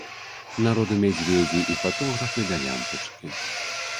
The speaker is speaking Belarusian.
Народу мядзведзі і фатографы да лямпачкі.